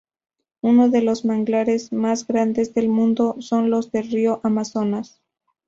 Uno de los manglares más grandes del mundo, son los del Río Amazonas.